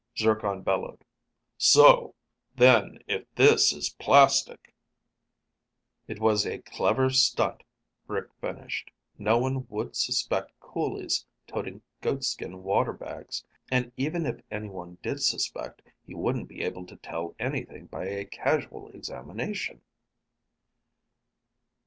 Zircon bellowed, "So! Then if this is plastic...." "It was a clever stunt," Rick finished. "No one would suspect coolies toting goatskin water bags. And even if anyone did suspect, he wouldn't be able to tell anything by a casual examination."